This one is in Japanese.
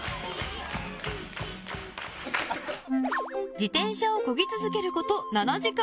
自転車をこぎ続けること７時間。